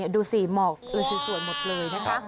ดูสีหมอกสวยหมดเลย